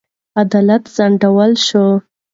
عدالت ځنډول شوی.